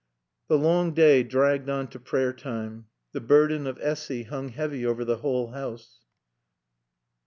The long day dragged on to prayer time. The burden of Essy hung heavy over the whole house.